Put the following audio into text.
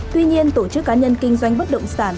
tuy nhiên tổ chức cá nhân kinh doanh bất động sản